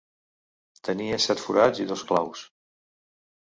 Tenia set forats i dos claus.